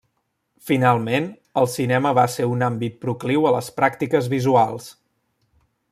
Finalment, el cinema va ser un àmbit procliu a les pràctiques visuals.